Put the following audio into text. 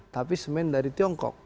tapi semen dari tiongkok